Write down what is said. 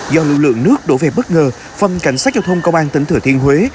do lực lượng nước đổ về bất ngờ phần cảnh sát giao thông công an tỉnh thừa thiên huế